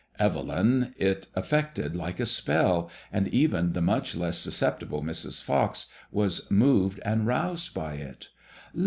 Evelyn it affected like a spell, and even the much less sus ceptible Mrs. Fox was moved and roused by it.